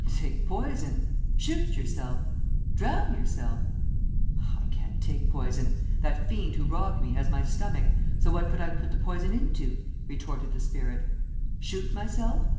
"Take poison! Shoot yourself! Drown yourself!" "I can't take poison. That fiend who robbed me has my stomach, so what could I put the poison into?" retorted the spirit. "Shoot myself?